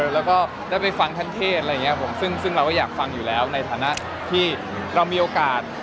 แล้วก็ได้ไปฟังท่านเทศอะไรอย่างนี้ผมซึ่งเราก็อยากฟังอยู่แล้วในฐานะที่เรามีโอกาส